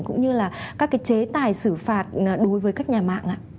cũng như là các cái chế tài xử phạt đối với các nhà mạng